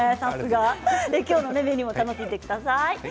今日のメニューも楽しんでください。